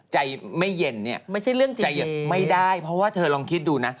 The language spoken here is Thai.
ใจไม่เย็นเนี่ยใจไม่ได้เพราะว่าเธอลองคิดดูนะ